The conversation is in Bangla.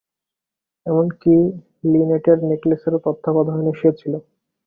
এমনকি লিনেটের নেকলেসেরও তত্ত্বাবধায়নে সে ছিল।